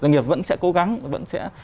doanh nghiệp vẫn sẽ cố gắng vẫn sẽ